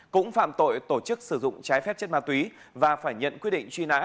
cũng phạm tội tổ chức sử dụng trái phép chất ma túy và phải nhận quyết định truy nã